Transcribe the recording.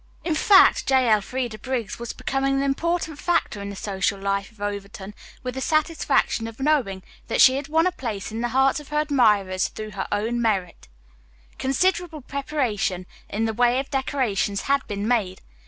In fact, J. Elfreda Briggs was becoming an important factor in the social life of Overton, with the satisfaction of knowing that she had won a place in the hearts of her admirers through her own merit. Considerable preparation in the way of decorations had been made.